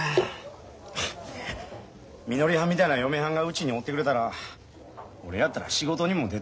みのりはんみたいな嫁はんがうちにおってくれたら俺やったら仕事にも出とうないぐらいですわ。